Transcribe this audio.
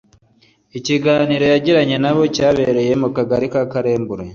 Ikiganiro yagiranye na bo cyabereye mu kagari ka Karembure